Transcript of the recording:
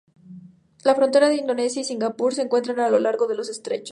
La frontera de Indonesia y Singapur se encuentra a lo largo de los estrechos.